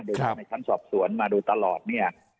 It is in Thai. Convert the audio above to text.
เดี๋ยวนั้นในชั้นสอบสวนมาดูตลอดเนี่ย